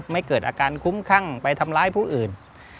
เกิดอาการคุ้มคั่งไปทำร้ายผู้อื่น